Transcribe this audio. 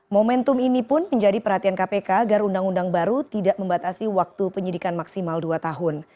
momentum ini pun menjadi perhatian kpk agar undang undang baru tidak membatasi waktu penyidikan maksimal dua tahun